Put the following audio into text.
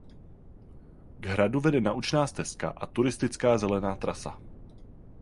K hradu vede naučná stezka a turistická zelená trasa.